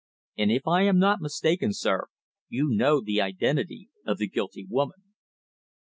And if I am not mistaken, sir you know the identity of the guilty woman!"